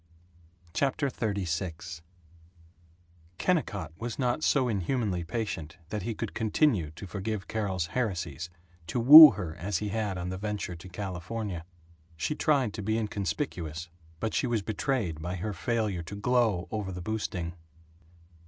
CHAPTER XXXVI KENNICOTT was not so inhumanly patient that he could continue to forgive Carol's heresies, to woo her as he had on the venture to California. She tried to be inconspicuous, but she was betrayed by her failure to glow over the boosting.